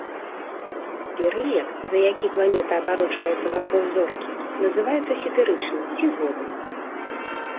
Перыяд, за які планета абарочваюцца вакол зоркі, называецца сідэрычным, ці годам.